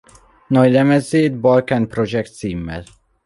Nagylemezét Balkan Projekt címmel.